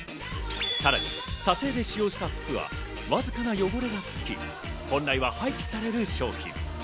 さらに撮影で使用した服はわずかな汚れがつき、本来は廃棄される商品。